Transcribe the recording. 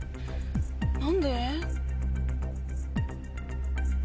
何で。